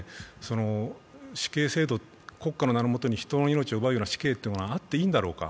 死刑制度、国家の名のもとに人の命を奪う制度があっていいのだろうか。